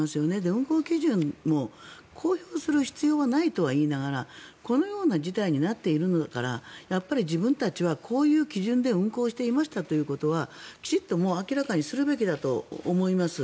運航基準も公表する必要はないとは言いながらこのような事態になっているのだから自分たちはこういう基準で運航していましたということはきちんと明らかにするべきだと思います。